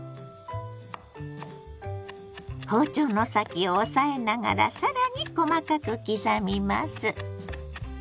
包丁の先を押さえながら更に細かく刻みます。